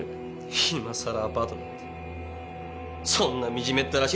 今更アパートなんてそんな惨めったらしい。